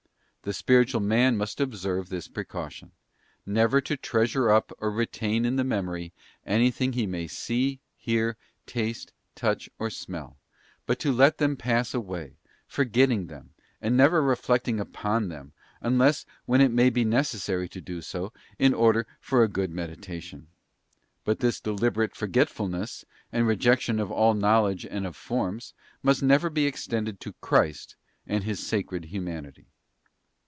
The spiritual man must observe this precaution: never to treasure up or retain in the memory anything he may see, hear, taste, touch, or smell; but to let them pass away, forgetting them, and never reflecting upon them, unless when it may be necessary to do so ) inorder toa good meditation. But this deliberate forgetful _ ness, and rejection of all knowledge and of forms, must never _ be extended to Christ and His Sacred Humanity.